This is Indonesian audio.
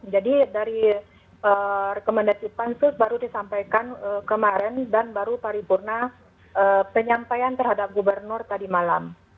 jadi dari rekomendasi pansus baru disampaikan kemarin dan baru paripurna penyampaian terhadap gubernur tadi malam